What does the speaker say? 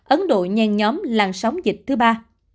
ấn độ nhanh nhóm làn sóng dịch thứ ba